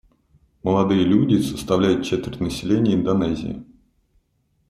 Молодые люди составляют четверть населения Индонезии.